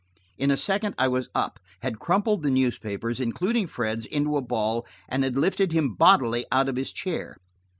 In a second I was up, had crumpled the newspapers, including Fred's, into a ball, and had lifted him bodily out of his chair.